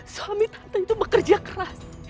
suami tante itu bekerja keras